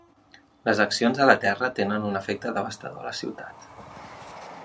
Les accions a la terra tenien un efecte devastador a la ciutat.